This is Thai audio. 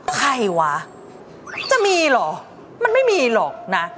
ใครวะจะมีเหรอมันไม่มีหรอกนะ